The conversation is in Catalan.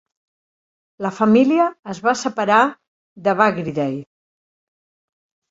La família es va separar de Bagridae.